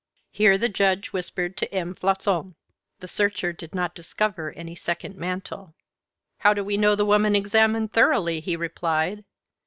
Here the Judge whispered to M. Floçon, "The searcher did not discover any second mantle." "How do we know the woman examined thoroughly?" he replied.